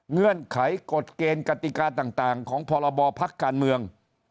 เงื่อนไขกฎเกณฑ์กติกาต่างของพรบพักการเมือง